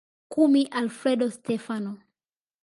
Kumi Alfredo Stefano